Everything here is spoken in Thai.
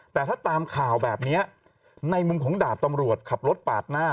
แต่ถ้าตามข่าวแบบนี้ในมุมของดาบตำรวจขับรถปาดหน้า